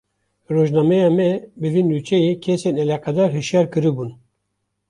Rojnameya me, bi vê nûçeyê kesên eleqedar hişyar kiribûn